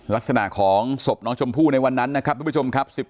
ลักษณะของศพน้องชมพู่ในวันนั้นนะครับทุกผู้ชมครับ